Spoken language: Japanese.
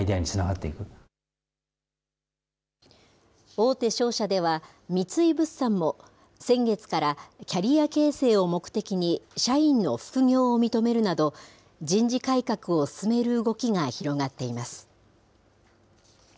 大手商社では、三井物産も先月からキャリア形成を目的に、社員の副業を認めるなど、人事改革を進める動きが広がっています。